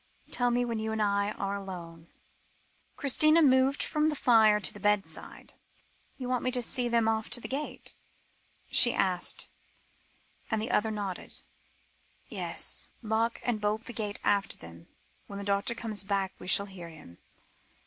Tell me when you and I are alone." Christina moved from the fire to the bedside. "You want me to see them off from the gate?" she asked, and the other nodded. "Yes. Lock and bolt the gate after them. When the doctor comes back, we shall hear him.